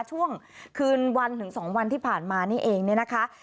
ช่วงคืนวันถึง๒วันที่ผ่านมานี่เองเนี่ยนะคะ